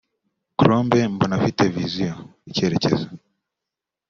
Colombe mbona afite vision(icyerekezo)